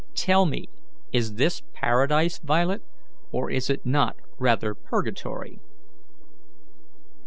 Tell me, is this paradise, Violet, or is it not rather purgatory?"